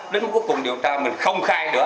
đến cuối cùng điều tra mình không khai nữa